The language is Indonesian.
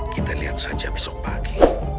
kita lihat saja besok pagi